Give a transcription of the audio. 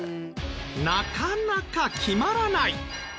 なかなか決まらない。